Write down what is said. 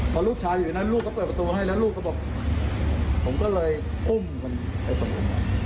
พอลูกชายอยู่ในนั้นลูกก็เปิดประตูให้แล้วลูกก็บอกผมก็เลยอุ้มมันไปตรงนู้น